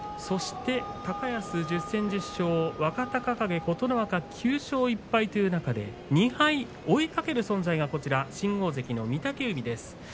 高安１０戦１０勝若隆景、琴ノ若９勝１敗という中で２敗を追いかける存在が新大関の御嶽海です。